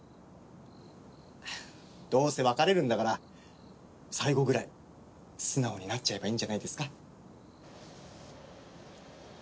どうせ別れるんだから最後くらい素直になっちゃえばいいんじゃないですか。